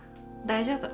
大丈夫。